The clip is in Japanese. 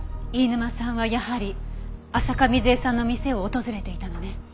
飯沼さんはやはり浅香水絵さんの店を訪れていたのね。